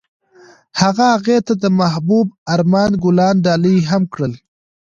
هغه هغې ته د محبوب آرمان ګلان ډالۍ هم کړل.